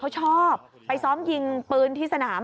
เขาชอบไปซ้อมยิงปืนที่สนาม